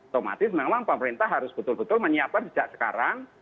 otomatis memang pemerintah harus betul betul menyiapkan sejak sekarang